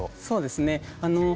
そうですね。